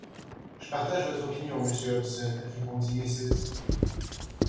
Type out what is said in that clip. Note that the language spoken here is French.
Je partage votre opinion, monsieur Hobson, répondit Mrs.